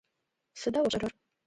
Сыда о пшӏэрэр?